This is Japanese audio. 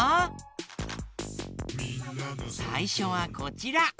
さいしょはこちら。